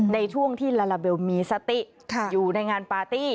ในช่วงที่ลาลาเบลมีสติอยู่ในงานปาร์ตี้